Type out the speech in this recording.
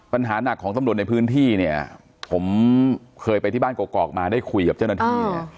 ปัญหาหนักของตำรวจในพื้นที่เนี่ยผมเคยไปที่บ้านกรอกมาได้คุยกับเจ้าหน้าที่